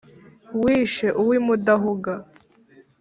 Wishe uw’i Mudahuga